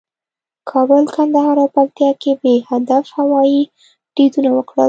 کابل، کندهار او پکتیکا کې بې هدفه هوایي بریدونه وکړل